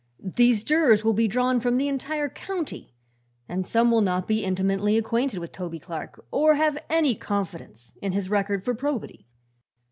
These jurors will be drawn from the entire county, and some will not be intimately acquainted with Toby Clark or have any confidence in his record for probity."